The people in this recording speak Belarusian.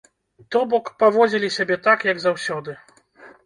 То бок, паводзілі сябе так, як заўсёды.